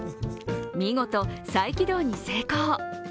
見事、再起動に成功。